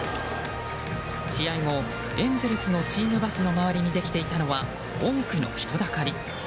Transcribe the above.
試合後、エンゼルスのチームバスの周りにできていたのは多くの人だかり。